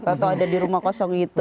atau ada di rumah kosong itu